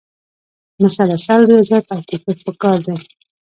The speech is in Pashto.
مسلسل ریاضت او کوښښ پکار دی.